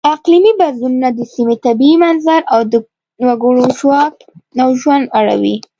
اقلیمي بدلونونه د سیمې طبیعي منظر او د وګړو ژواک او ژوند اړوي.